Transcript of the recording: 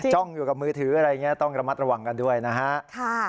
จ้องอยู่กับมือถือต้องระมัดระวังกันด้วยนะครับ